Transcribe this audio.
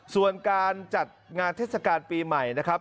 ส่วนการจัดงานเทศกาลปีใหม่นะครับ